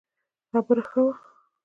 خبر ښه وو